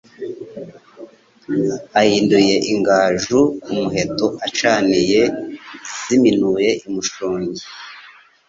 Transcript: Ahinduye Ingaju ku muhetoAcaniye ziminuye i Mushongi